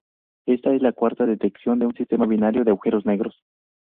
Esta es la cuarta detección de un sistema binario de agujeros negros.